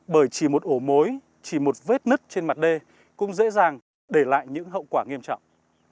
bởi chỉ một ổ mối chỉ một vết nứt trên mặt đê cũng dễ dàng để lại những hậu quả nghiêm trọng